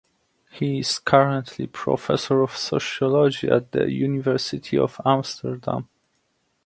He is currently Professor of Sociology at the University of Amsterdam (UvA).